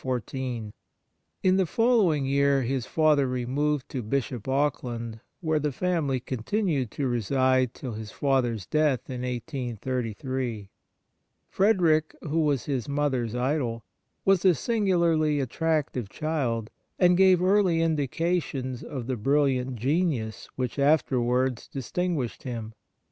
In the following year his father removed to Bishop Auckland, where the family continued to reside till his father's death in 1833. Frederick, who was his mother's idol, was a singularly attractive child, and gave early indications of the brilliant genius which afterwards distinguished him.